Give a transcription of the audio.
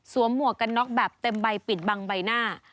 หมวกกันน็อกแบบเต็มใบปิดบังใบหน้า